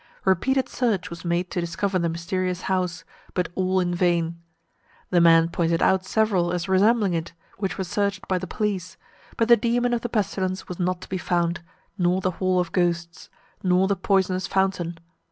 Repeated search was made to discover the mysterious house, but all in vain. The man pointed out several as resembling it, which were searched by the police; but the Demon of the Pestilence was not to be found, nor the hall of ghosts, nor the poisonous fountain.